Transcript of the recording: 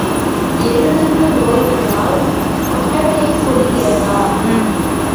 எருதுக்கு நோய் வந்தால் கொட்டகையைச் சுடுகிறதா?